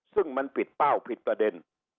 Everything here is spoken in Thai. ซึ่งมันผิดเป้าผิดประเด็น